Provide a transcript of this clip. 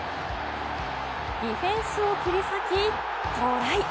ディフェンスを切り裂きトライ。